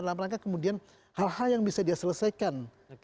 dalam rangka kemudian hal hal yang bisa diselesaikan